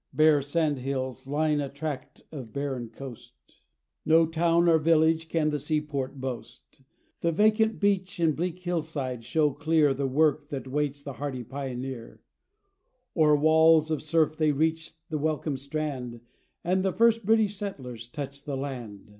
Bare sand hills line a tract of barren coast, No town, or village, can the seaport boast; The vacant beach and bleak hill side show clear The work that waits the hardy pioneer: O'er walls of surf they reach the welcome strand, And the first British settlers touch the land.